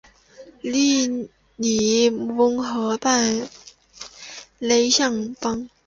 利尼翁河畔勒尚邦。